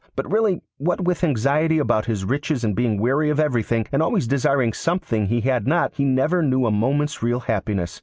But really, what with anxiety about his riches and being weary of everything, and always desiring something he had not, he never knew a moment's real happiness.